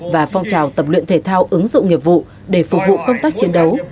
và phong trào tập luyện thể thao ứng dụng nghiệp vụ để phục vụ công tác chiến đấu